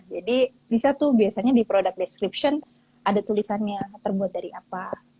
bisa tuh biasanya di product description ada tulisannya terbuat dari apa